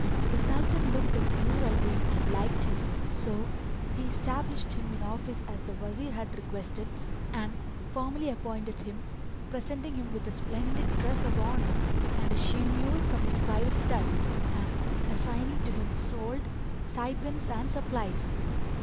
The Sultan looked at Nur al Din and liked him, so he stablished him in office as the Wazir had requested and formally appointed him, presenting him with a splendid dress of honour and a she mule from his private stud; and assigning to him solde, stipends and supplies.